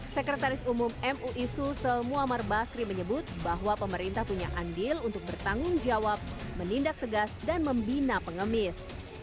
sekretaris umum mui sulsel muammar bakri menyebut bahwa pemerintah punya andil untuk bertanggung jawab menindak tegas dan membina pengemis